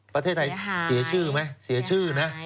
ประเทศไทยเสียชื่อไหมเสียชื่อนะ